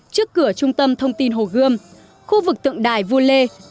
trước cửa trung tâm thông tin hồ gươm khu vực tượng đài vua lê